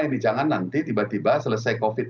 ini jangan nanti tiba tiba selesai covid